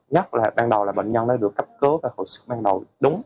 nhất là bệnh nhân đã được cấp cứu và hồi sức ban đầu đúng